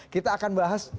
kita akan bahas